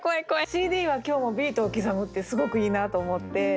「ＣＤは今日もビートを刻む」ってすごくいいなと思って。